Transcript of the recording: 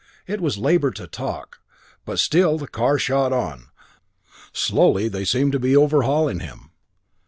It was labor to talk but still the car ahead shot on slowly they seemed to be overhauling him.